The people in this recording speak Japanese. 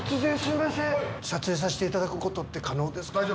撮影させていただくことって可能ですか？